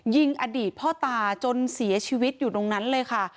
ยิงอดีตพ่อตาจนเสียชีวิตอยู่ตรงนั้นเลยค่ะ